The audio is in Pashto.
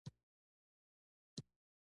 سوله د ټولو لپاره روښانه راتلونکی برابروي.